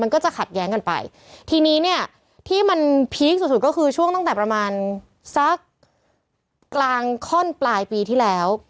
มันก็จะขัดแย้งกันไปทีนี้เนี่ยที่มันพีคสุดสุดก็คือช่วงตั้งแต่ประมาณสักกลางข้อนปลายปีที่แล้ว